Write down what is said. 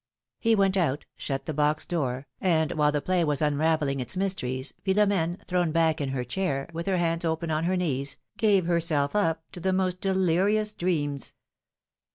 ^' He went out, shut the box door, and while the play was unravelling its mysteries, Philom^ne, thrown back in her chair, with her hands open on her knees, gave herself up to the most delirious dreams.